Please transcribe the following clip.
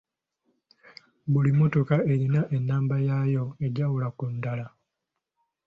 Buli mmotoka erina ennamba yaayo egyawula ku ndala.